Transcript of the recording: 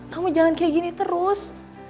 kamu jangan kayak gini terus